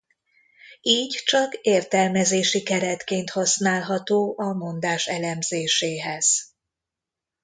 Így csak értelmezési keretként használható a mondás elemzéséhez.